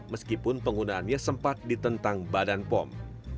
meskipun penggunaannya sempat ditentang badan pom